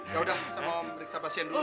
yaudah saya mau periksa pasien dulu